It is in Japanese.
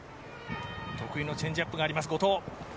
得意のチェンジアップがあります、後藤。